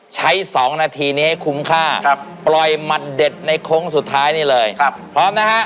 ๒นาทีนี้ให้คุ้มค่าปล่อยหมัดเด็ดในโค้งสุดท้ายนี่เลยพร้อมนะฮะ